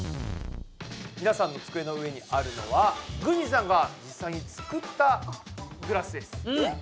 みなさんの机の上にあるのは軍司さんが実際に作ったグラスです。